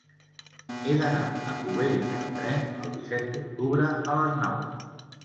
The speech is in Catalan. He d'anar a Cubells amb tren el disset d'octubre a les nou.